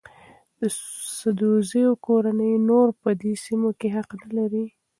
د سدوزو کورنۍ نور په دې سیمو حق نه لري.